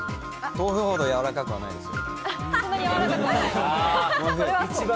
豆腐ほどやわらかくないですよ。